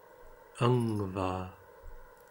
angvaa